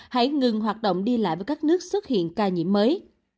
hãy ngừng hoạt động đi lại với các nước xuất hiện ca nhiễm mới